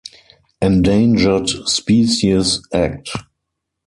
Endangered Species Act.